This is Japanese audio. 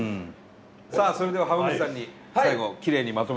さあそれでは濱口さんに最後きれいにまとめて頂きましょう。